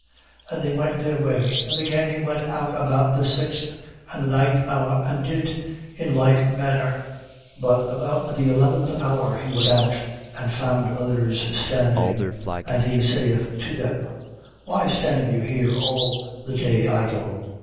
20:5. And they went their way. And again he went out about the sixth and the ninth hour, and did in like manner. 20:6. But about the eleventh hour he went out and found others standing, and he saith to them: Why stand you here all the day idle?